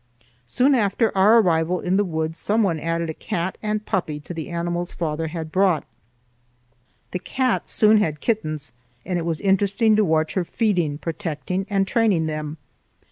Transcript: Soon after our arrival in the woods some one added a cat and puppy to the animals father had bought. The cat soon had kittens, and it was interesting to watch her feeding, protecting, and training them.